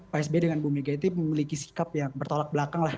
pak sbi dengan bumega itu memiliki sikap yang bertolak belakang lah